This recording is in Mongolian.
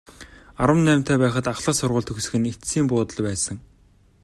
Арван наймтай байхад ахлах сургууль төгсөх нь эцсийн буудал байсан.